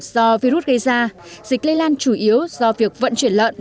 do virus gây ra dịch lây lan chủ yếu do việc vận chuyển lợn